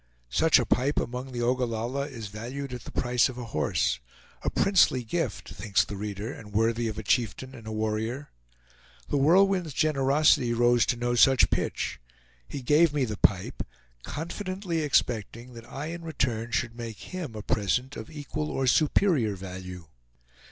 Such a pipe among the Ogallalla is valued at the price of a horse. A princely gift, thinks the reader, and worthy of a chieftain and a warrior. The Whirlwind's generosity rose to no such pitch. He gave me the pipe, confidently expecting that I in return should make him a present of equal or superior value.